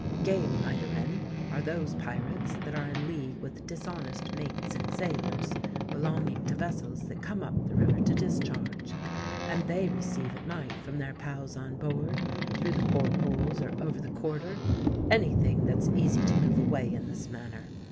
Game lightermen are those pirates that are in league with dishonest mates and sailors belonging to vessels that come up the river to discharge: and they receive at night from their pals on board, through the port holes or over the quarter, any thing that's easy to move away in this manner.